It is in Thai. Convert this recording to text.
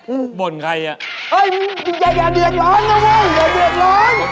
อย่าเดือดล้อนนะเว่ยอย่าเดือดล้อน